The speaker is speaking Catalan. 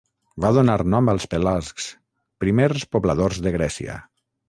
Va donar nom als pelasgs, primers pobladors de Grècia.